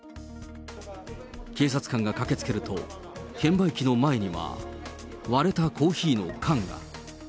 警察官が駆けつけると、券売機の前には、割れたコーヒーの缶が。